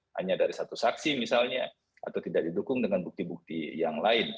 hanya dari satu saksi misalnya atau tidak didukung dengan bukti bukti yang lain